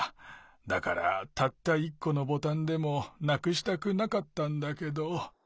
だからたった１このボタンでもなくしたくなかったんだけど。